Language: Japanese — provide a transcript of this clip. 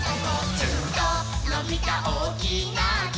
「ヅンとのびたおおきなき」